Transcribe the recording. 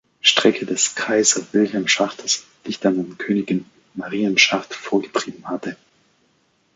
Strecke des Kaiser-Wilhelm-Schachtes dicht an den Königin-Marien-Schacht vorgetrieben hatte.